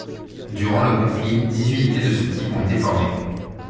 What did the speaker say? Durant le conflit, dix unités de ce type ont été formées.